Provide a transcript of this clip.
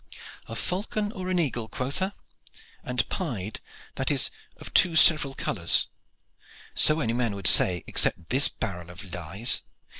"A falcon or an eagle, quotha? And pied, that is of two several colors. So any man would say except this barrel of lies.